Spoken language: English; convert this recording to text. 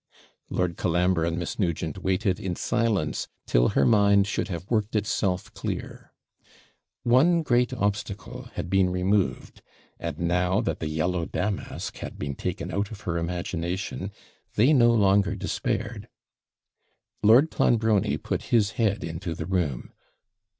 Lord Colambre and Miss Nugent waited in silence till her mind should have worked itself clear. One great obstacle had been removed; and now that the yellow damask had been taken out of her imagination, they no longer despaired. Lord Clonbrony put his head into the room.